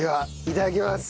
いただきます。